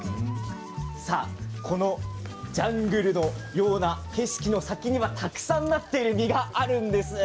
さあ、このジャングルのような景色の先にはたくさんなってる実があるんです。